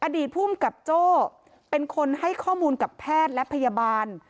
อดีตภูมิกับโจ้เป็นคนให้ข้อมูลกับแพทย์และพยาบาล